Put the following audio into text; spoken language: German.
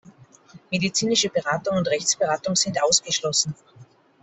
Medizinische Beratung und Rechtsberatung sind ausgeschlossen.